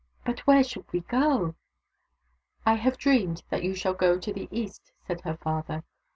" But where should we go ?"" I have dreamed that you shall go to the east," said her father.